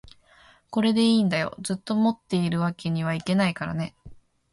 これでいいんだよ、ずっと持っているわけにはいけないからね